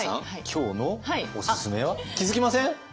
今日のオススメは気付きません？